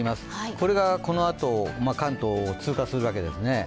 これがこのあと関東を通過するわけですね。